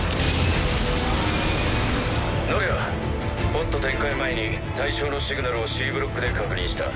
ノレアポッド展開前に対象のシグナルをＣブロックで確認した。